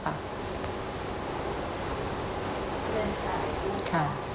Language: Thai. เพื่อนชายค่ะ